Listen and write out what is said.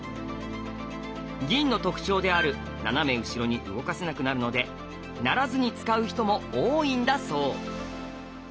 銀の特徴である斜め後ろに動かせなくなるので成らずに使う人も多いんだそう。